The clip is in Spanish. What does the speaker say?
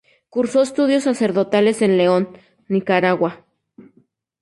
Cursó estudios sacerdotales en León, Nicaragua.